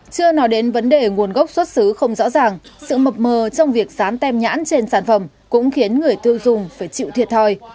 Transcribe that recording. chưa nói đến vấn đề nguồn gốc xuất xứ không rõ ràng sự mập mờ trong việc sán tem nhãn trên sản phẩm cũng khiến người tiêu dùng phải chịu thiệt thòi